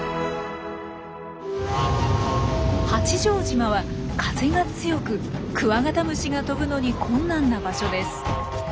八丈島は風が強くクワガタムシが飛ぶのに困難な場所です。